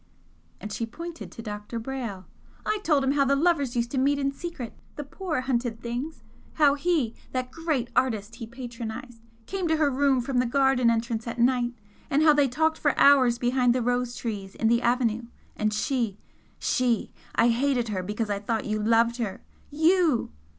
and she pointed to Dr. Brayle "I told him how the lovers used to meet in secret, the poor hunted things! how he that great artist he patronised came to her room from the garden entrance at night, and how they talked for hours behind the rose trees in the avenue and she she! I hated her because I thought you loved her YOU!"